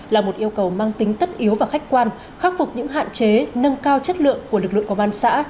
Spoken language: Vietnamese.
là một yêu cầu mang tính tất yếu và khách quan khắc phục những hạn chế nâng cao chất lượng của lực lượng công an xã